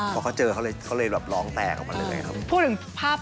พอเขาเจอเขาเลยแบบร้องแตกออกมาเลยครับ